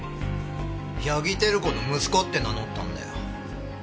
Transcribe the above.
八木照子の息子って名乗ったんだよ。